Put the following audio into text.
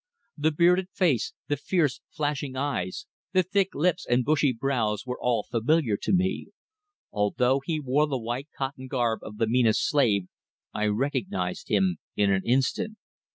The bearded face, the fierce, flashing eyes, the thick lips and bushy brows were all familiar to me. Although he wore the white cotton garb of the meanest slave, I recognised him in an instant.